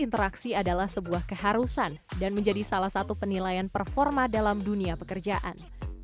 interaksi adalah sebuah keharusan dan menjadi salah satu penilaian performa dalam dunia pekerjaan